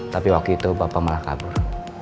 tapi waktu itu bapak malah kabur